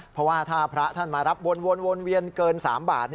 เพราะว่าถ้าพระท่านมารับวนเวียนเกิน๓บาท